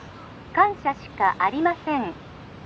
☎感謝しかありません